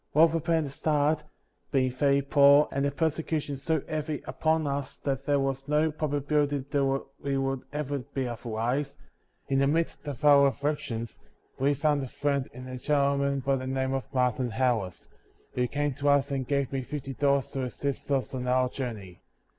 While preparing to start, — ^being very poor, and the persecution so heavy upon us that there was no probability that we would ever be otherwise, — ^in the midst of our aflBictions we found a friend in a gentleman by the name of Martin Harris, who came to us and gave me fifty dollars to assist us on our journey.